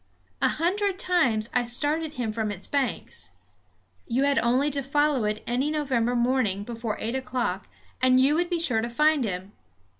A hundred times I started him from its banks. You had only to follow it any November morning before eight o'clock, and you would be sure to find him.